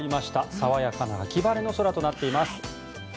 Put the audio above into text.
爽やかな秋晴れの空となっています。